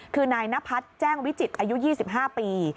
คือนายนพัฒน์แจ้งวิจิตรอายุ๒๕ปี